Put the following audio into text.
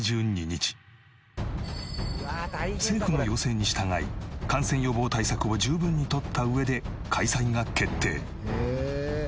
政府の要請に従い感染予防対策を十分にとった上で開催が決定。